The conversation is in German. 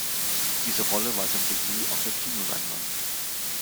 Diese Rolle war sein Debüt auf der Kinoleinwand.